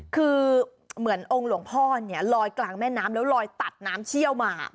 คือเหมือนองค์หลวงพ่อเนี่ยลอยกลางแม่น้ำแล้วลอยตัดน้ำเชี่ยวมา